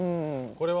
これは？